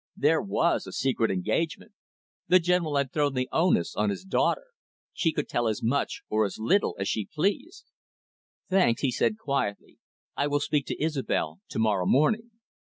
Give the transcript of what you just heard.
There was a secret engagement. The General had thrown the onus on his daughter. She could tell as much or as little as she pleased. "Thanks," he said quietly. "I will speak to Isobel to morrow morning."